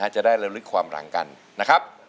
จะได้ระลึกความหลังกันนะครับ